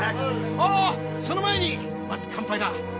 あぁその前にまず乾杯だ。